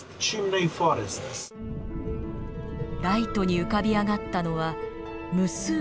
ライトに浮かび上がったのは無数の柱。